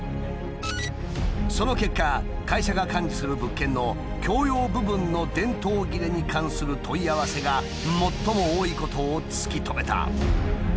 その結果会社が管理する物件の共用部分の電灯切れに関する問い合わせが最も多いことを突き止めた。